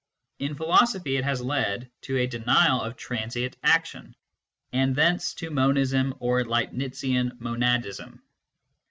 In philosophy it has led to a denial of transient action, and thence to monism or Leibnizian monadism.